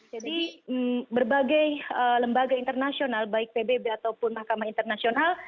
jadi berbagai lembaga internasional baik pbb ataupun mahkamah internasional